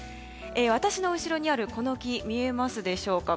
私の後ろにある、この木見えますでしょうか。